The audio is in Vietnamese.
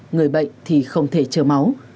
người bệnh thì không thể chờ máu